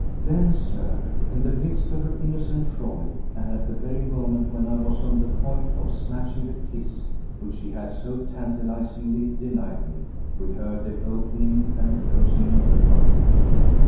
Then, Sir, in the midst of her innocent frolic and at the very moment when I was on the point of snatching the kiss which she had so tantalizingly denied me, we heard the opening and closing of the front door.